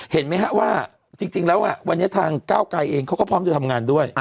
เห็นไหมฮะว่าจริงแล้ววันนี้ทางก้าวไกรเองเขาก็พร้อมจะทำงานด้วย